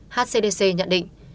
hcdc nhận định